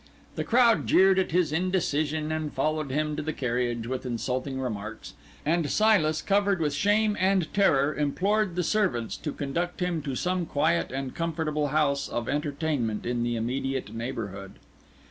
The crowd jeered at his indecision and followed him to the carriage with insulting remarks; and Silas, covered with shame and terror, implored the servants to conduct him to some quiet and comfortable house of entertainment in the immediate neighbourhood.